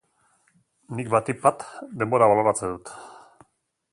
Nik batik bat denbora baloratzen dut.